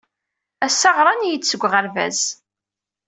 Ass-a ɣran-iyi-d seg uɣerbaz.